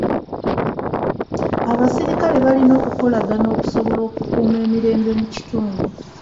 Abasirikale balina okukolagana okusobola okukuuma emirembe mu kitundu.